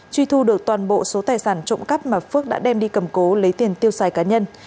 truy thu được toàn bộ số tài sản trộm cắp mà phước đã đem đi cầm cố lấy tiền tiêu xài cá nhân